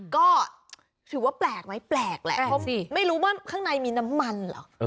ก็ถือว่าแปลกไหมแปลกแหละไม่รู้ว่าข้างในมีน้ำมันเหรอ